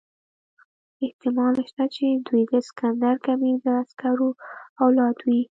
احتمال شته چې دوی د سکندر کبیر د عسکرو اولاد وي.